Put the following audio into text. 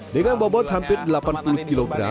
dengan bobot hampir delapan puluh kg